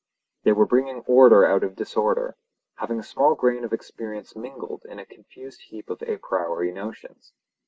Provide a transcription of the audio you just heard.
They were bringing order out of disorder, having a small grain of experience mingled in a confused heap of a priori notions.